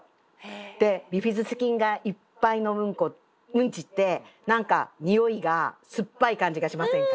でビフィズス菌がいっぱいのうんこうんちって何かにおいが酸っぱい感じがしませんか？